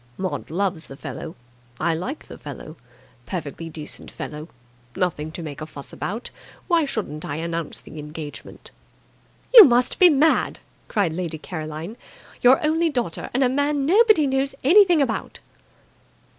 Maud loves the fellow. I like the fellow. Perfectly decent fellow. Nothing to make a fuss about. Why shouldn't I announce the engagement?" "You must be mad!" cried Lady Caroline. "Your only daughter and a man nobody knows anything about!"